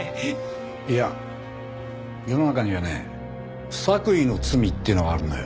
いや世の中にはね不作為の罪っていうのがあるのよ。